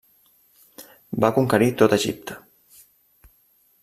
Va conquerir tot Egipte.